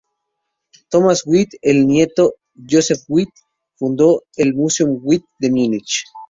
Thomas Witt, el nieto de Josef Witt, fundó el Museum Witt de Munich.